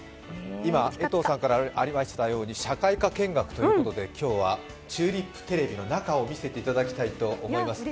今、江藤さんからありましたように社会科見学ということで今日はチューリップテレビの中を見せていただきたいと思います。